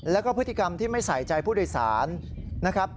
แล้วก็พฤติกรรมที่ไม่ใส่ใจผู้โดยสารนะครับ